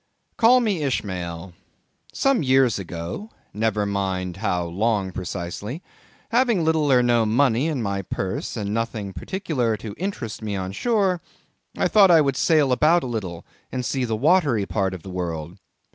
Call me Ishmael. Some years ago—never mind how long precisely—having little or no money in my purse, and nothing particular to interest me on shore, I thought I would sail about a little and see the watery part of the world.